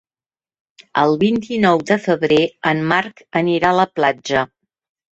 El vint-i-nou de febrer en Marc anirà a la platja.